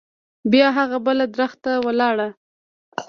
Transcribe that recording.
بیا هغه بل درخت ته لاړ.